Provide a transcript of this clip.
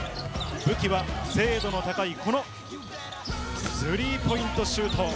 武器は精度の高いスリーポイントシュート。